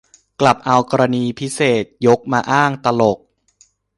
กลับเอากรณีพิเศษยกมาอ้าง ตลก